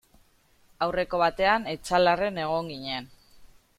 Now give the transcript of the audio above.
Aurreko batean Etxalarren egon ginen.